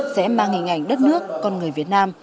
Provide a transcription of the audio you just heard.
sẽ mang hình ảnh đất nước con người việt nam